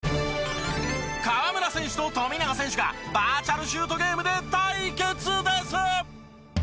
河村選手と富永選手がバーチャル・シュートゲームで対決です！